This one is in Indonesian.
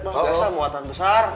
biasa muatan besar